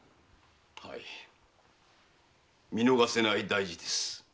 はい見逃せない大事です。